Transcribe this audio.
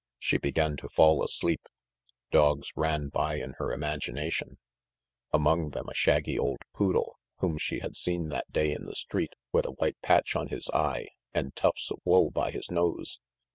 She began to fall asleep. Dogs ran by in her imagination: among them a shaggy old poodle, whom she had seen that day in the street with a white patch on his eye and tufts of wool by his nose.